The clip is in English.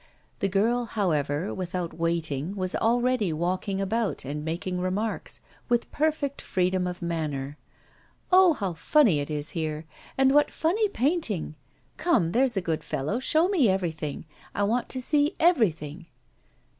The girl, however, without waiting, was already walking about and making remarks, with perfect freedom of manner. 'Oh! how funny it is here. And what funny painting. Come, there's a good fellow, show me everything. I want to see everything.